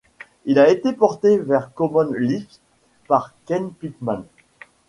Il a été porté vers Common Lisp par Kent Pitman.